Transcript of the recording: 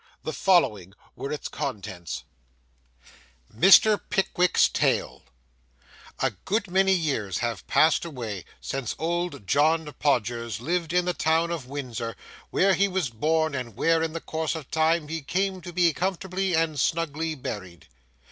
The following were its contents:— MR. PICKWICK'S TALE A good many years have passed away since old John Podgers lived in the town of Windsor, where he was born, and where, in course of time, he came to be comfortably and snugly buried.